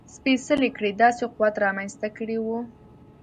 سپېڅلې کړۍ داسې قوت رامنځته کړی و.